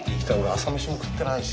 朝飯も食ってないし。